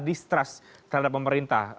distrust terhadap pemerintah